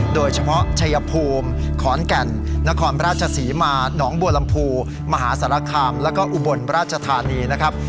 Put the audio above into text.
โดยเฉพาะชัยภูมิขอนแก่นนครราชศรีมาหนองบัวลำพูมหาสารคามแล้วก็อุบลราชธานีนะครับ